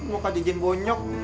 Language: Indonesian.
muka jejen bonyok